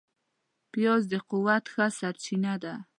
پیاز د قوت ښه سرچینه ده